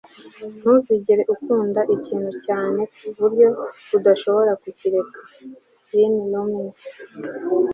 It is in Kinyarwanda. ntuzigere ukunda ikintu cyane ku buryo udashobora kukireka - ginni rometty